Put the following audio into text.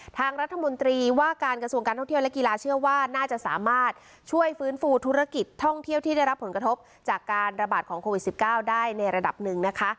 ทางรัฐมนตรีว่าการกระทรวงการท่องเที่ยวและกีฬาเชื่อว่าน่าจะสามารถช่วยฟื้นฟูธุรกิจท่องเที่ยวที่ได้รับผลกระทบจากการระบาดของโควิด๑๙ได้ในระดับหนึ่งนะคะ